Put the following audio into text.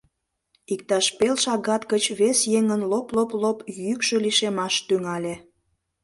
Иктаж пел шагат гыч вес еҥын лоп-лоп-лоп йӱкшӧ лишемаш тӱҥале.